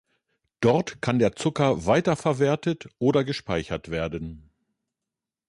Dort kann der Zucker weiter verwertet oder gespeichert werden.